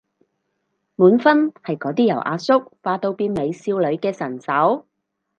滿分係嗰啲由阿叔化到變美少女嘅神手